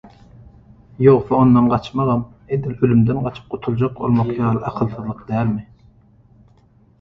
Ýogsa ondan gaçmagam, edil ölümden gaçyp gutuljak bolmak ýaly akylsyzlyk dälmi?